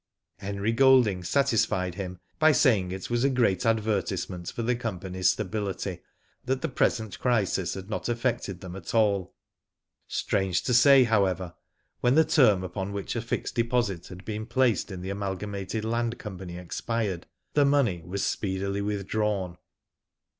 ' Herbert Golding satisfied him by saying it was a great advertisement for the company's stability, that the present crisis had not affected them at all. Digitized byGoogk 2o8; WHO. DID ITf Strange to say, however, when the term upon which a fixed deposit had been placed in the Amalgamated Land Company expired, the money was speedily withdrawn.